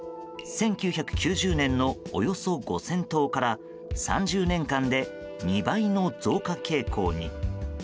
１９９０年のおよそ５０００頭から３０年間で、２倍の増加傾向に。